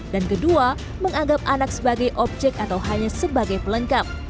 dan kedua menganggap anak sebagai objek atau hanya sebagai pelengkap